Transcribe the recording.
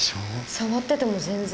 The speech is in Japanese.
触ってても全然。